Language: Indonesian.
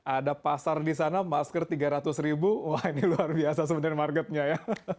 ada pasar di sana masker tiga ratus ribu wah ini luar biasa sebenarnya marketnya ya